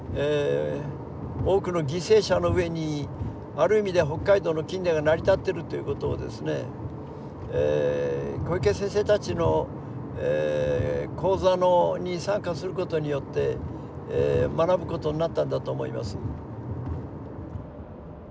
多くの犠牲者の上にある意味では北海道の近代が成り立ってるということをですね小池先生たちの講座に参加することによって学ぶことになったんだと思います。